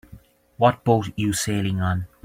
What boat you sailing on?